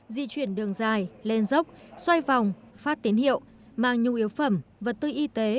di chuyển đường dài lên dốc xoay vòng phát tín hiệu mang nhu yếu phẩm vật tư y tế